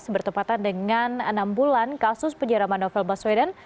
bertepatan dengan enam bulan kasus penyeraman novel baswedan